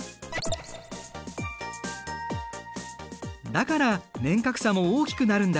だから年較差も大きくなるんだ。